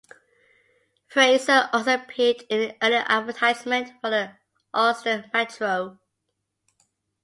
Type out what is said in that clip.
Fraser also appeared in an early advertisement for the Austin Metro.